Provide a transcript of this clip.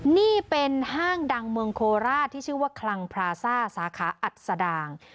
นี่เป็นห้างดังเมืองโคราชที่ชื่อว่าคลังพราซ่าสาขาอัศดาง